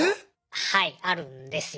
はいあるんですよ。